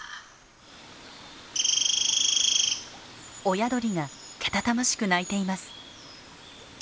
親鳥がけたたましく鳴いています。